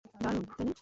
দারুণ, তাই না?